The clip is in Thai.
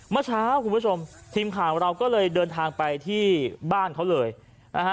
เมื่อเช้าคุณผู้ชมทีมข่าวของเราก็เลยเดินทางไปที่บ้านเขาเลยนะฮะ